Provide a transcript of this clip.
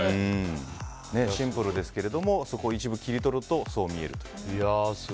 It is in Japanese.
シンプルですけど一部切り取るとそう見えるという。